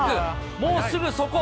もうすぐそこ。